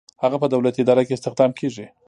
هغه په دولتي اداره کې استخدام کیږي.